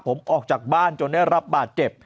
ผมออกจากบ้านจนได้รับบาดเจ็บ